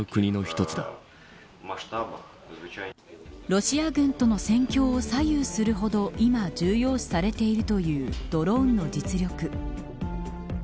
ロシア軍との戦況を左右するほど今、重要視されているというドローンの実力。